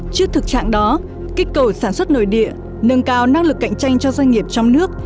trước thực trạng đó kích cầu sản xuất nội địa nâng cao năng lực cạnh tranh cho doanh nghiệp trong nước